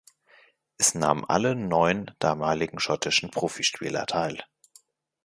Es nahmen alle neun damaligen schottischen Profispieler teil.